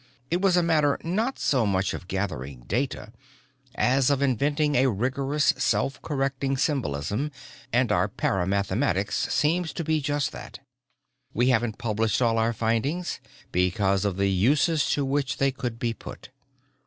It was a matter not so much of gathering data as of inventing a rigorous self correcting symbology and our paramathematics seems to be just that. We haven't published all of our findings because of the uses to which they could be put.